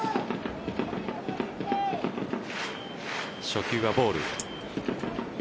初球がボール。